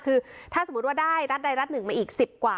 คือถ้าสมมุติว่าได้รัฐใดรัฐหนึ่งมาอีก๑๐กว่า